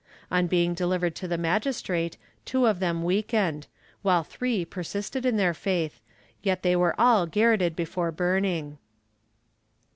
On being delivered to the magistrate two of them weakened, while three persisted in their faith, yet they were all garrotted before burning.